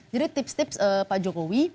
jadi tips tips pak jokowi